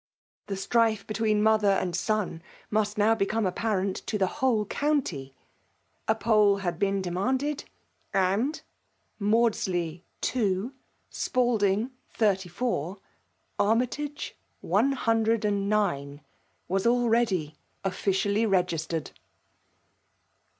The strife between mother and son must now become apparent to the whole eounty ! A poU had been demanded; and Maudslet ... 2 Spalding ... 34 Armttagb •.. 109 was already officially registered